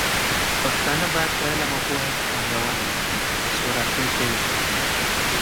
پښتانه بايد په علم او پوهه کې پانګونه وکړي، ترڅو راتلونکې يې ښه شي.